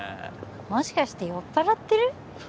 もしかして酔っぱらってる？